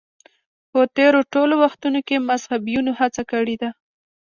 په تېرو ټولو وختونو کې مذهبيونو هڅه کړې ده.